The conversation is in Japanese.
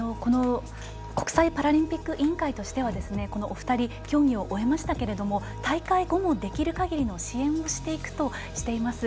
国際パラリンピック委員会としてはこのお二人競技を終えましたけれども大会後もできる限りの支援をしていくとしています。